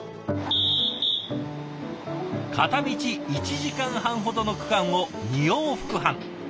片道１時間半ほどの区間を２往復半。